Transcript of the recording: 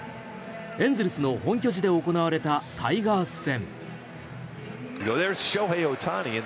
エンゼルスの本拠地で行われたタイガース戦。